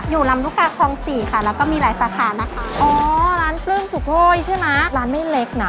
ลำลูกกาคลองสี่ค่ะแล้วก็มีหลายสาขานะคะอ๋อร้านปลื้มสุโกยใช่ไหมร้านไม่เล็กน่ะ